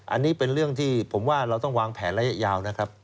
อันนี้เป็นเรื่องที่ผมว่าเราต้องวางแผนระยะยาวนะครับ